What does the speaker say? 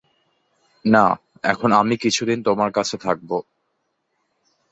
না, এখন আমি কিছুদিন তোমার কাছে থাকব।